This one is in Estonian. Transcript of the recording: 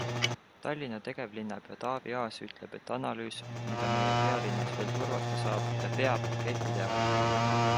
Tallinna tegevlinnapea Taavi Aas ütleb, et analüüs, mida meie pealinnas veel turvata saab ja peab, käib pidevalt.